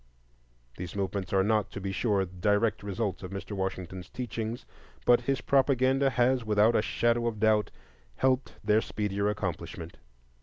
These movements are not, to be sure, direct results of Mr. Washington's teachings; but his propaganda has, without a shadow of doubt, helped their speedier accomplishment.